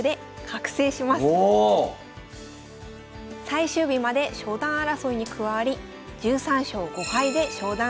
最終日まで昇段争いに加わり１３勝５敗で昇段。